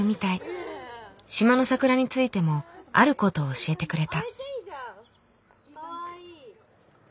島の桜についてもあることを教えてくれた。